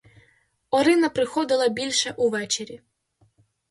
Орина приходила більше увечері.